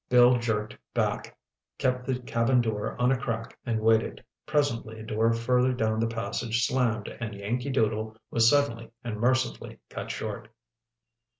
Bill jerked back, kept the cabin door on a crack and waited. Presently a door further down the passage slammed and Yankee Doodle was suddenly and mercifully cut short.